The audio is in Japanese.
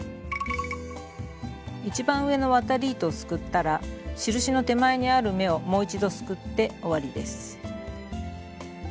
一番上の渡り糸をすくったら印の手前にある目をもう一度すくって終わりです。